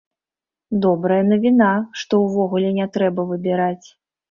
Добрая навіна, што ўвогуле не трэба выбіраць.